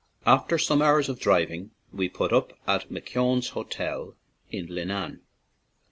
After some hours of driving, we put up at McKeown's Hotel in Leenane.